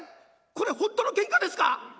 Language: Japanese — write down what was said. これ本当のケンカですか？」。